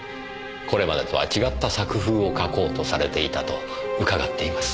これまでとは違った作風を書こうとされていたと伺っています。